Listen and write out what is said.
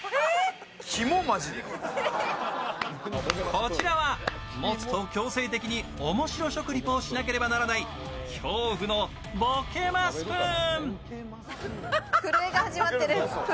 こちらは持つと強制的に面白食リポをしなければならない恐怖のボケまスプーン。